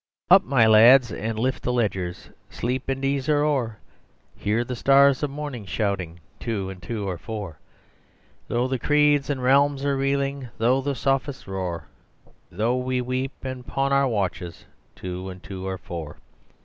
"Up my lads and lift the ledgers, sleep and ease are o'er. Hear the Stars of Morning shouting: 'Two and Two are four.' Though the creeds and realms are reeling, though the sophists roar, Though we weep and pawn our watches, Two and Two are Four."